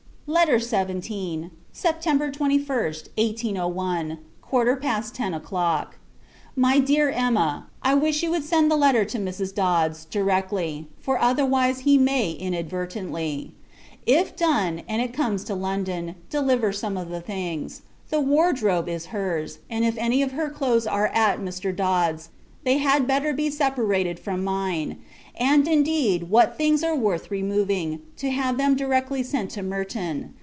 LETTER XVII. September 21st, [1801.] Quarter past Ten o'Clock. MY DEAR EMMA, I wish you would send the letter to Mrs. Dod's, directly; for, otherwise, he may, inadvertently. If done, and it comes to London, deliver some of the things. The wardrobe is her's; and if any of her clothes are at Mr. Dod's, they had better be separated from mine and, indeed, what things are worth removing to have them directly sent to Merton.